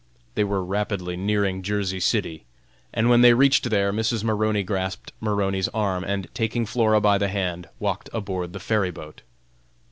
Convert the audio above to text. They were rapidly nearing Jersey City, and when they reached there Mrs. Maroney grasped Maroney's arm, and taking Flora by the hand, walked aboard the ferry boat.